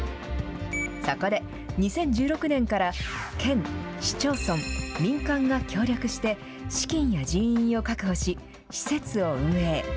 そこで、２０１６年から県、市町村、民間が協力して、資金や人員を確保し、施設を運営。